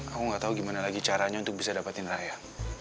aku gak tau gimana lagi caranya untuk bisa dapetin raya